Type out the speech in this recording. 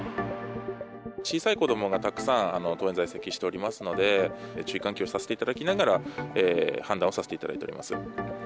小さい子どもがたくさん、当園には在籍しておりますので、注意喚起をさせていただきながら、判断をさせていただいております。